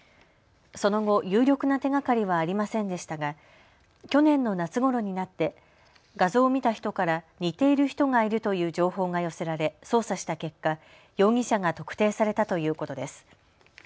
その後、有力な手がかりはありませんでしたが去年の夏ごろになって画像を見た人から似ている人がいるという情報が寄せられ捜査した結果、容疑者が特定されたということです。